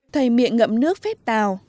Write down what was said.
thầy miệng ngậm nước phép tà